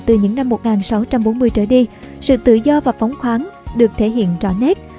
từ những năm một nghìn sáu trăm bốn mươi trở đi sự tự do và phóng khoáng được thể hiện rõ nét